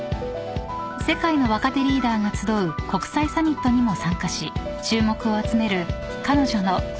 ［世界の若手リーダーが集う国際サミットにも参加し注目を集める彼女の］